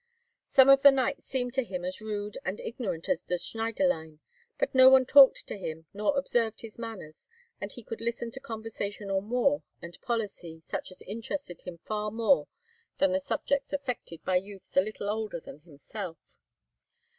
Some of the knights seemed to him as rude and ignorant as the Schneiderlein, but no one talked to him nor observed his manners, and he could listen to conversation on war and policy such as interested him far more than the subjects affected by youths a little older than himself.